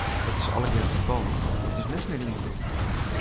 Dat is allegear ferfallen, dat is net mear yn gebrûk.